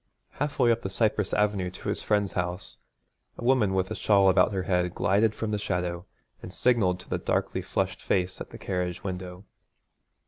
Half way up the cypress avenue to his friend's house a woman with a shawl about her head glided from the shadow and signalled to the darkly flushed face at the carriage window.